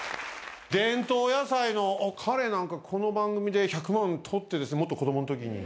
伝統野菜の彼なんかこの番組で１００万取ってもっと子供のときに。